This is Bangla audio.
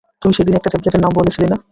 তুই সেদিন একটা ট্যাবলেটের নাম বলেছিলি না?